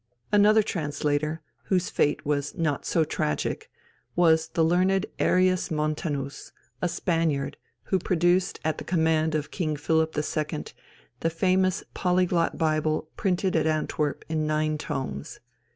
Another translator, whose fate was not so tragic, was the learned Arias Montanus, a Spaniard, who produced at the command of King Philip II. the famous Polyglot Bible printed at Antwerp in nine tomes.